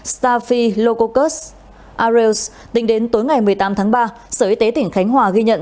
staphylococcus aureus tính đến tối ngày một mươi tám tháng ba sở y tế tỉnh khánh hòa ghi nhận